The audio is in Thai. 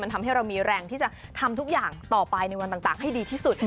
ทำให้เรามีแรงที่จะทำทุกอย่างต่อไปในวันต่างให้ดีที่สุด